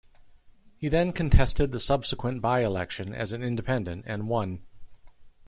He then contested the subsequent by-election as an independent, and won.